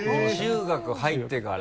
中学入ってから？